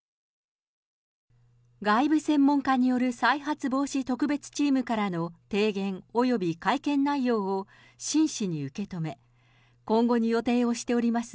外部専門家による再発防止特別チームからの提言および会見内容を真摯に受け止め、今後に予定をしております